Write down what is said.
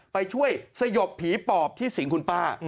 ไปช่วยสยบผีปอบที่สิงคุณป้า